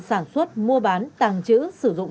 sản xuất mua bán tàng trữ sử dụng